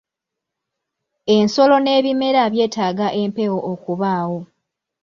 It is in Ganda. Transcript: Ensolo n'ebimera byetaaga empewo okubaawo